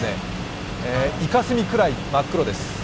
いか墨くらい、真っ黒です。